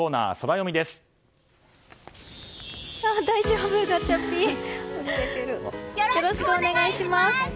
よろしくお願いします！